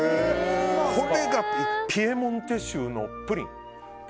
これが、ピエモンテ州のプリンで。